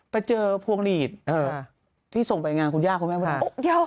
ไปเจอพวงหลีดที่ส่งไปงานคุณย่าคุณแม่มดำ